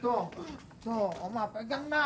tuh tuh oma pegang nah